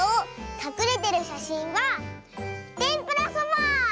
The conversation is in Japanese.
かくれてるしゃしんはてんぷらそば！